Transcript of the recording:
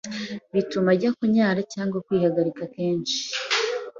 bituma ajya Kunyara cyangwa Kwihagarika kenshi